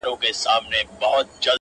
o هم ئې قسم واخستى، هم ئې دعوه بايلول٫